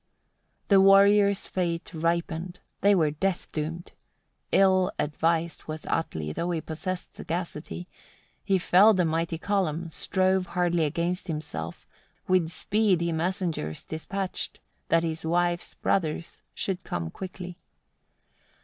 2. The warriors' fate ripened, they were death doomed: ill advised was Atli, though he possessed sagacity: he felled a mighty column, strove hardly against himself; with speed he messengers despatched, that his wife's brothers should come quickly.